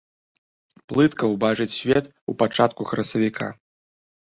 Плытка ўбачыць свет ў пачатку красавіка.